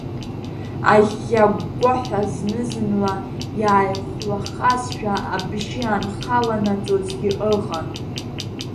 Аӷьӷьа-гәгәаҳәа зны-зынла иааихәлахазшәа абжьы анхаланаҵозгьы ыҟан.